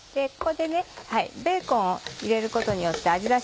ここでベーコンを入れることによって味